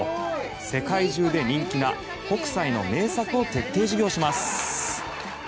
世界中で人気な北斎の名作を徹底授業します。